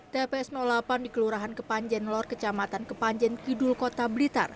tps delapan di kelurahan kepanjen lor kecamatan kepanjen kidul kota blitar